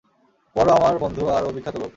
Poirot আমার বন্ধু আর ও বিখ্যাত লোক!